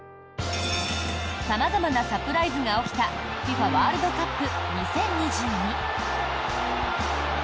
様々なサプライズが起きたＦＩＦＡワールドカップ２０２２。